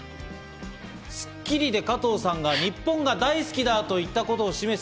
『スッキリ』で加藤さんが日本が大好きだ！といったことを示す